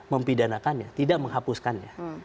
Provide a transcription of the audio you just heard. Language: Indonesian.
mempidanakannya tidak menghapuskannya